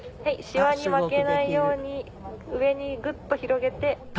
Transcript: シワに負けないように上にグッと広げてはい。